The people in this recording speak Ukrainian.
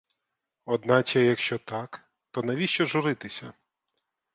Одначе якщо так, то навіщо журитися?